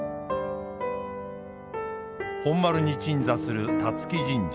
本丸に鎮座する龍城神社。